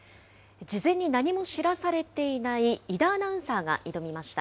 事前に何も知らされていない井田アナウンサーが挑みました。